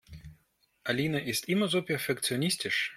Alina ist immer so perfektionistisch.